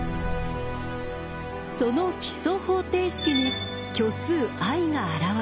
その基礎方程式に虚数ｉが現れる。